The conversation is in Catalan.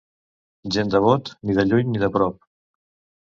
Gent de Bot, ni de lluny ni de prop.